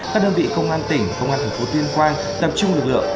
các đơn vị công an tỉnh công an thành phố tuyên quang tập trung lực lượng